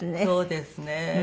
そうですね。